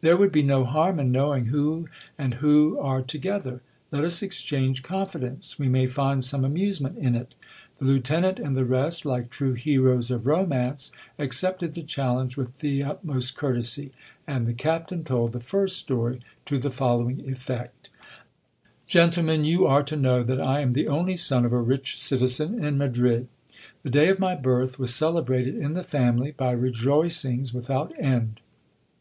There would be no harm in knowing who and who are to gether. Let us exchange confidence : we may find some amusement in it. The lieutenant and the rest, like true heroes of romance, accepted the challenge with the utmost courtesy, and the captain told the first story to the following effect :— Gentlemen, you are to know that I am the only son of a rich citizen in Ma drid. The day of my birth was celebrated in the family by rejoicings without end.